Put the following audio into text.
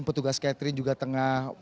petugas catherine juga tengah